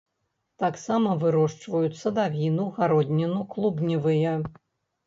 Таксама вырошчваюць садавіну, гародніну, клубневыя.